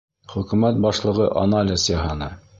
Хөкүмәт башлығы анализ яһаны